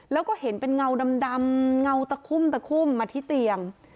แล้วก็เห็นเป็นเงาดำเงาตะคุ่มตะคุ่มมาที่เตียง